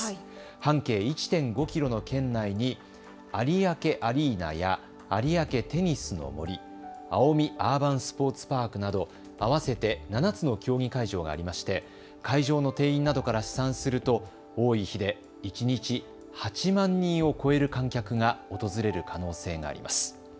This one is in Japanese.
半径１．５キロの圏内に有明アリーナや有明テニスの森、青海アーバンスポーツパークなど合わせて７つの競技会場がありまして会場の定員などから試算すると多い日で１日８万人を超える観客が訪れる可能性があります。